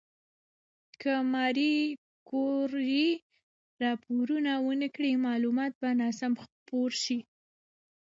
که ماري کوري راپور ونکړي، معلومات به ناسم خپور شي.